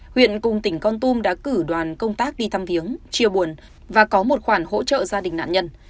huyện cùng tỉnh con tum đã cử đoàn công tác đi thăm viếng chia buồn và có một khoản hỗ trợ gia đình nạn nhân